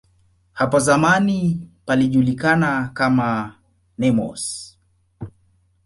Hapo zamani palijulikana kama "Nemours".